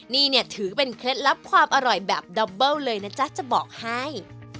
นี่เนี่ยถือเป็นเคล็ดลับความอร่อยแบบดอบเบิ้ลเลยนะจ๊ะจะบอกให้